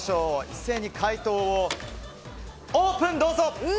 一斉に解答をオープン！